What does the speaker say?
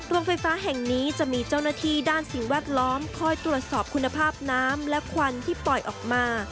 โรงไฟฟ้าแห่งนี้จะมีเจ้าหน้าที่ด้านสิ่งแวดล้อมคอยตรวจสอบคุณภาพน้ำและควันที่ปล่อยออกมา